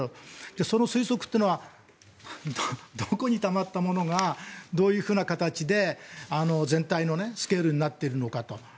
その推測というのはどこにたまったものがどういう形で全体のスケールになっているのかと。